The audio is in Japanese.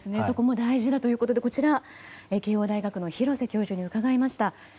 そこも大事だということで慶應大学の廣瀬教授に伺いました。